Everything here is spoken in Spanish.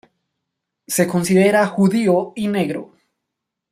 Se considera judío y negro.